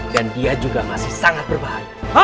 dan dia juga masih sangat berbahaya